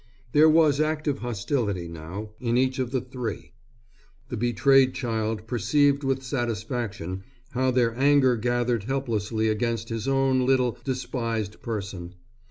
There was active hostility now in each of the three. The betrayed child perceived with satisfaction how their anger gathered helplessly against his own little, despised person.